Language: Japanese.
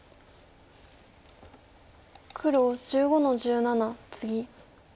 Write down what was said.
黒１５の十七ツギ。